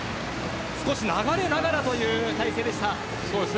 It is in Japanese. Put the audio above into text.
少し流れながらという体勢でした。